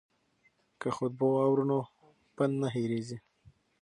که خطبه واورو نو پند نه هیریږي.